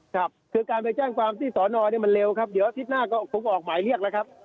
ครับคือการไปแจ้งความที่สอนอเนี่ยมันเร็วครับเดี๋ยวอาทิตย์หน้าก็คงออกหมายเรียกแล้วครับ